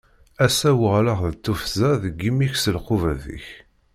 Ass-a uɣaleɣ d tufza deg imi-k s lqubat-ik.